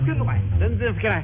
全然吹けない。